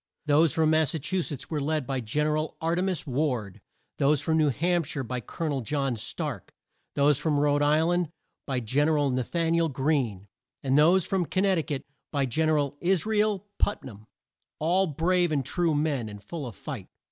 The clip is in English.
Those from Mas sa chu setts were led by Gen er al Ar te mas Ward; those from New Hamp shire by Col o nel John Stark; those from Rhode Isl and by Gen er al Na than i el Greene; and those from Con nect i cut by Gen er al Is ra el Put nam; all brave and true men, and full of fight.